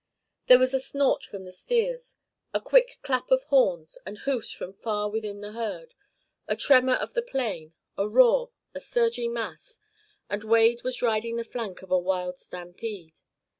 There was a snort from the steers, a quick clap of horns and hoofs from far within the herd, a tremor of the plain, a roar, a surging mass and Wade was riding the flank of a wild stampede.